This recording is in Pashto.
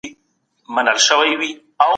خپل کور تل په منظمه توګه پاک ساتئ.